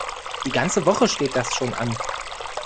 Die ganze Woche steht das schon an.